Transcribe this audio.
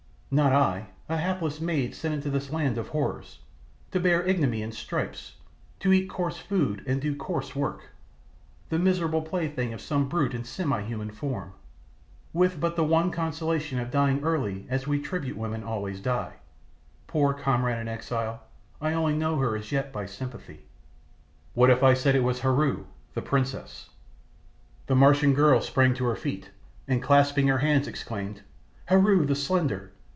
"Not I, a hapless maid sent into this land of horrors, to bear ignominy and stripes, to eat coarse food and do coarse work, the miserable plaything of some brute in semi human form, with but the one consolation of dying early as we tribute women always die. Poor comrade in exile, I only know her as yet by sympathy." "What if I said it was Heru, the princess?" The Martian girl sprang to her feet, and clasping her hands exclaimed, "Heru, the Slender!